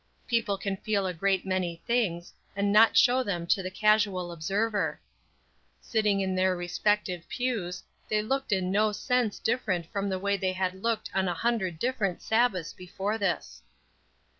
People can feel a great many things, and not show them to the casual observer. Sitting in their respective pews, they looked in no sense different from the way they had looked on a hundred different Sabbaths before this.